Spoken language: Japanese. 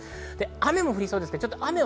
雨も降りそうです。